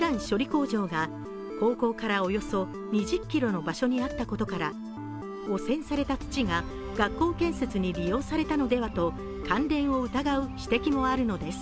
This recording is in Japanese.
工場が高校からおよそ２０ｋｍの場所にあったことから汚染された土が学校建設に利用されたのではと関連を疑う指摘もあるのです。